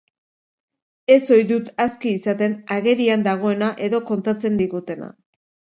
Ez ohi dut aski izaten agerian dagoena edo kontatzen digutena.